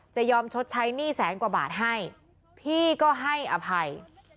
ยอมชดใช้หนี้แสนกว่าบาทให้พี่ก็ให้อภัย